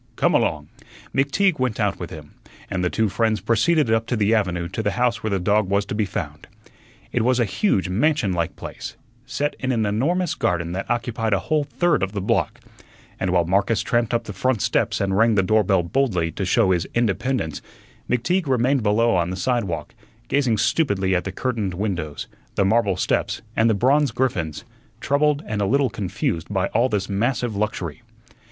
Come along." McTeague went out with him, and the two friends proceeded up to the avenue to the house where the dog was to be found. It was a huge mansion like place, set in an enormous garden that occupied a whole third of the block; and while Marcus tramped up the front steps and rang the doorbell boldly, to show his independence, McTeague remained below on the sidewalk, gazing stupidly at the curtained windows, the marble steps, and the bronze griffins, troubled and a little confused by all this massive luxury.